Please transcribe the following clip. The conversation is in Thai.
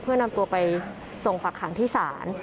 เพื่อนำตัวไปส่งฝักขังที่ศาล